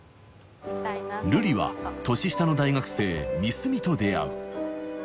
瑠璃は年下の大学生三角と出会う